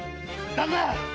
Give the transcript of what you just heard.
旦那！